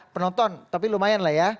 penonton tapi lumayan lah ya